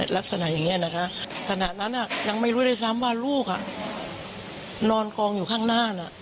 ลักษณะอย่างนี้นะคะขณะนั้นยังไม่รู้ด้วยซ้ำว่าลูกนอนกองอยู่ข้างหน้าน่ะ